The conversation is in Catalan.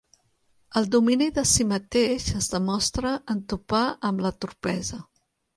El domini de si mateix es demostra en topar amb la torpesa.